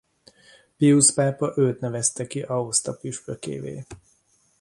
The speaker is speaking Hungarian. Piusz pápa őt nevezte ki Aosta püspökévé.